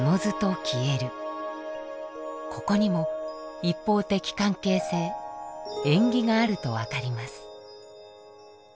ここにも一方的関係性縁起があると分かります。